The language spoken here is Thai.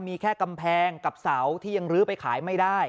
มีแค่กำแพงกับเสาที่ยังลื้อไปขายไม่ได้